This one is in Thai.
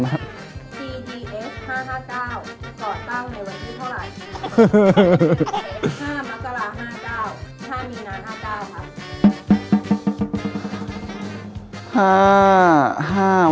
๕มักรา๕๙ถ้ามีนาน๕๙ครับ